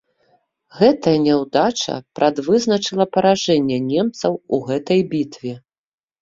Гэтая няўдача прадвызначыла паражэнне немцаў у гэтай бітве.